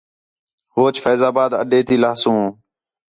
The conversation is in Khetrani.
ہوچ فیض آباد اڈے تی لہسوں